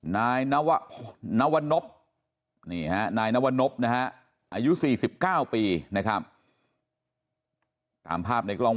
นายนวนพนายนวนพนะฮะอายุ๔๙ปีนะครับตามภาพในกล้อง